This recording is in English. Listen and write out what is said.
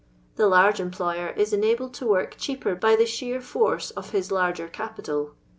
The large employer is enabled to work cheaper by the sheer force' of his hirger aipital.